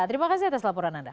terima kasih atas laporan anda